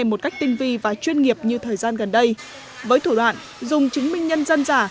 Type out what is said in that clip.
một cách tinh vi và chuyên nghiệp như thời gian gần đây với thủ đoạn dùng chứng minh nhân dân giả